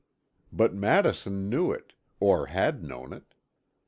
But Madison knew it, or had known it.